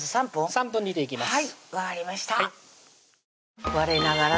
３分煮ていきます